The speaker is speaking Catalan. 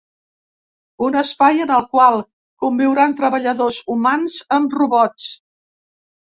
Un espai en el qual conviuran treballadors humans amb robots.